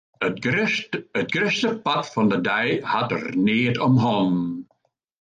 It grutste part fan de dei hat er neat om hannen.